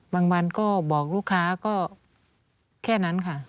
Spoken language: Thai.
บางวันก็บอกลูกค้าก็แค่นั้นค่ะ